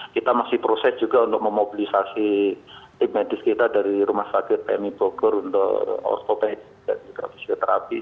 kita masih proses juga untuk memobilisasi tim medis kita dari rumah sakit pmi bogor untuk ortopektif dan juga fisioterapi